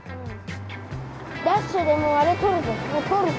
ダッシュでもうあれ撮るぞ撮るぞ！